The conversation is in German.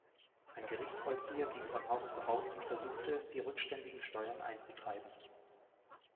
Ein Gerichtsvollzieher ging von Haus zu Haus und versuchte, die rückständigen Steuern einzutreiben.